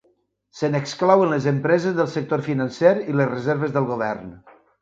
Se n'exclouen les empreses del sector financer i les reserves del govern.